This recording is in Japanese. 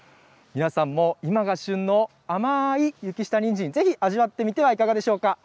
皆さんも今が旬の甘い雪下にんじん、ぜひ味わってみてはいかがでしょうか。